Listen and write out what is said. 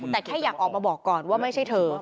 แต่แค่อยากออกมาบอกก่อนว่าไม่ใช่เธอ